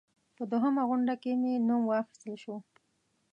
په دوهمه غونډه کې مې نوم واخیستل شو.